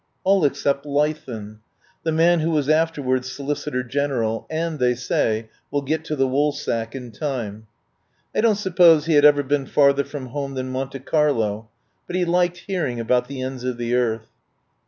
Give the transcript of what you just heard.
All except Leithen, the man who was afterwards Solicitor General, and, they say, will get to the Woolsack in time. I don't suppose he had ever been farther from home than Monte Carlo, but he liked hearing about the ends of the earth.